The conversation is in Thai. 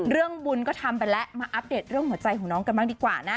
เรื่องบุญก็ทำไปแล้วมาอัปเดตเรื่องหัวใจของน้องกันบ้างดีกว่านะ